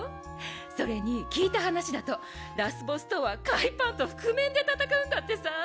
それに聞いた話だとラスボスとは海パンと覆面で戦うんだってさ。